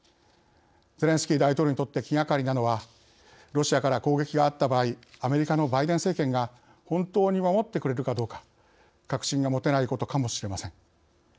ゼレンスキー大統領にとって気がかりなのはロシアから攻撃があった場合アメリカのバイデン政権が本当に守ってくれるかどうか確信が持てないことかもしれません。